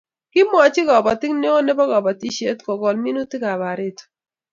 Kimwochi kabotik neo nebo kabatisiet kogol minutikap pareto